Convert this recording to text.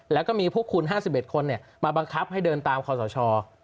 แล้วก็มีพวกคุณ๕๑คนมาบังคับให้เดินตามคอสช